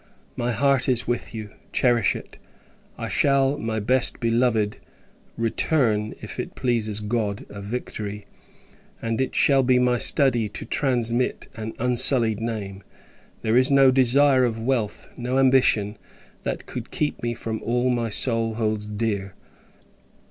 My heart is with you, cherish it. I shall, my best beloved, return if it pleases God a victor; and it shall be my study to transmit an unsullied name. There is no desire of wealth, no ambition, that could keep me from all my soul holds dear.